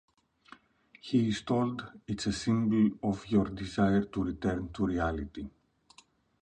He is told it's a symbol-of your desire to return to reality.